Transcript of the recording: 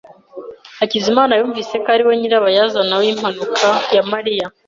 Hakizimana yumvise ko ari we nyirabayazana w'impanuka ya Mariya.